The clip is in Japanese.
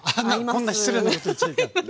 こんな失礼なこと言っちゃいかん。